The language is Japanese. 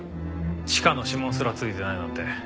チカの指紋すら付いてないなんて。